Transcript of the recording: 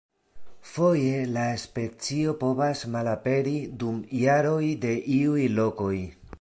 Foje la specio povas malaperi dum jaroj de iuj lokoj.